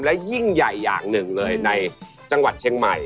และยิ่งใหญ่อย่างหนึ่งเลยในจังหวัดเชียงใหม่